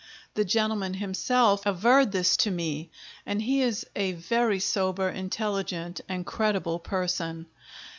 The Gentleman himself averred this to me, and he is a very sober, intelligent, and credible Person.